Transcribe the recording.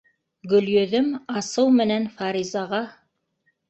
Гөлйөҙөм асыу менән Фаризаға: